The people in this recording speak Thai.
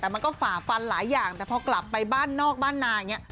แต่มันก็ฝ่าฟันหลายอย่างแต่พอกลับไปบ้านนอกบ้านนาอย่างนี้